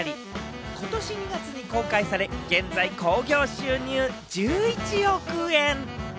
今年２月に公開され、現在興行収入１１億円。